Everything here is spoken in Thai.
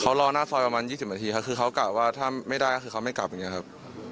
เขารอหน้าซอยประมาณ๒๐นาทีครับคือเขากะว่าถ้าไม่ได้ก็คือเขาไม่กลับอย่างนี้ครับ